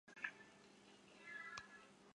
是维多利亚女王的外孙。